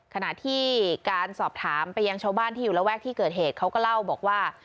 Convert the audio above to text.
ขณะที่การสอบถามไปยังชาวบ้านที่อยู่ระแวกที่เกิดเหตุเขาก็เล่าบอกว่า